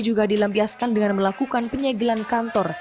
juga dilampiaskan dengan melakukan penyegelan kantor